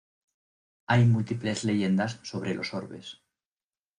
Hay múltiples leyendas sobre los orbes.